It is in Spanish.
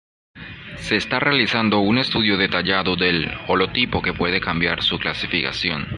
Se está realizando un estudio detallado del holotipo que puede cambiar su clasificación.